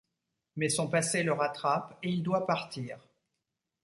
Mais son passé le rattrape et il doit partir.